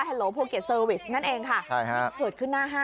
แท็กซี่พี่น้องที่ว่าเพราะอะไร